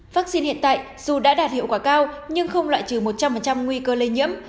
vaccine hiện tại dù đã đạt hiệu quả cao nhưng không loại trừ một trăm linh nguy cơ lây nhiễm